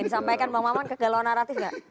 yang disampaikan bang maman kegalauan naratif gak